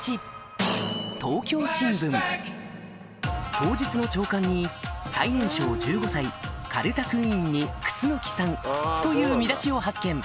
当日の朝刊に「最年少１５歳かるたクイーンに楠木さん」という見出しを発見